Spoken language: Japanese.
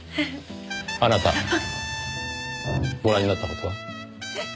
あなたご覧になった事は？え？